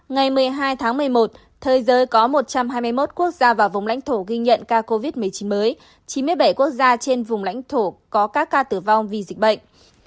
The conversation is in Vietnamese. ngày một mươi hai tháng một mươi một thế giới có một trăm hai mươi một quốc gia và vùng lãnh thổ ghi nhận ca covid một mươi chín mới chín mươi bảy quốc gia trên vùng lãnh thổ có các ca tử vong vì dịch bệnh